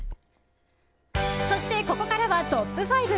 そして、ここからはトップ５。